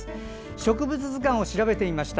植物図鑑を調べてみました。